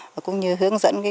và cũng như hướng dẫn cái